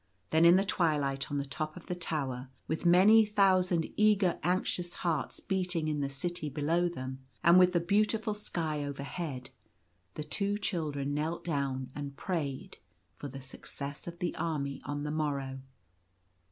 Then in the twilight on the top of the tower, with many thousand eager, anxious hearts beating in the city below them, and with the beautiful sky overhead, the two children knelt down and prayed for the success of the army on the morrow.